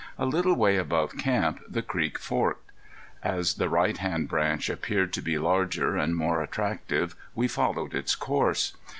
A little way above camp the creek forked. As the right hand branch appeared to be larger and more attractive we followed its course.